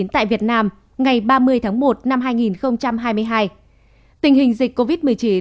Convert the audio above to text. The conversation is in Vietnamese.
tình hình dịch covid một mươi chín